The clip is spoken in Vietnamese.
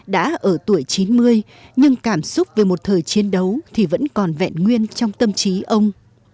đã ở tuổi chín mươi nhưng cảm xúc về một thời chiến đấu thì vẫn còn vẹn nguyên trong tâm trí ông